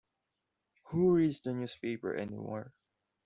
Who reads the newspaper anymore?